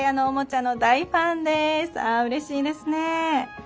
あうれしいですね。